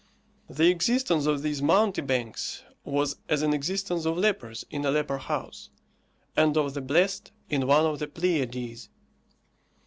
The existence of these mountebanks was as an existence of lepers in a leper house, and of the blessed in one of the Pleiades.